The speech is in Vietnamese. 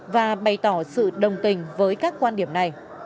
và bày tỏ sự đồng tình với các quan điểm này